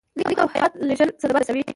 لیک او هیات لېږل صدمه رسوي.